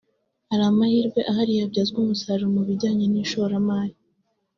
Hari amahirwe ahari yabyazwa umusaruro mu bijyanye n’ishoramari